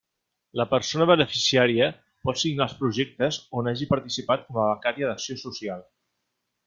La persona beneficiària pot signar els projectes on hagi participat com a becària d'acció social.